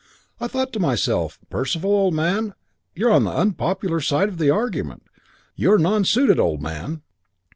I thought to myself, 'Percival, old man, you're on the unpopular side of the argument. You're nonsuited, old man.'